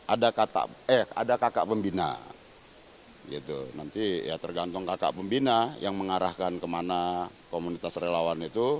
ada kakak pembina nanti ya tergantung kakak pembina yang mengarahkan kemana komunitas relawan itu